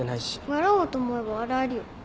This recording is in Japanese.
笑おうと思えば笑えるよ。